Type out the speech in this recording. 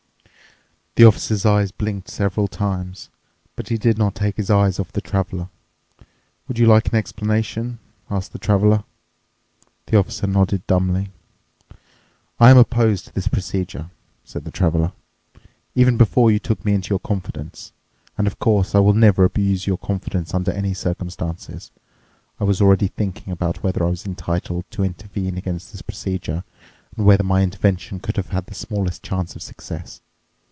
The Officer's eyes blinked several times, but he did not take his eyes off the Traveler. "Would you like an explanation," asked the Traveler. The Officer nodded dumbly. "I am opposed to this procedure," said the Traveler. "Even before you took me into your confidence—and, of course, I will never abuse your confidence under any circumstances—I was already thinking about whether I was entitled to intervene against this procedure and whether my intervention could have the smallest chance of success.